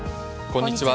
こんにちは。